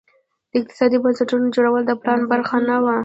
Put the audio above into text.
د اقتصادي بنسټونو جوړول د پلان برخه نه وه.